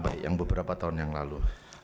oke jadi saya menanggung beberapa tahun yang lalu